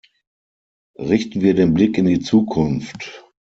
Richten wir den Blick in die Zukunft!